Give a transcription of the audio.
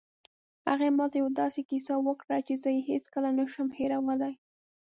هغې ما ته یوه داسې کیسه وکړه چې زه یې هېڅکله نه شم هیرولی